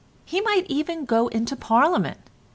He might even go into Parliament.